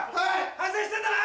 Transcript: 反省してんだな？